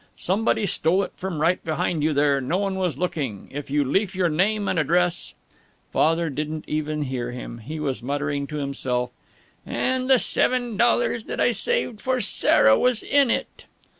Somebody stole it from right behind you there no one was looking. If you leaf your name and address " Father didn't even hear him. He was muttering to himself, "And the seven dollars that I saved for Sarah was in it."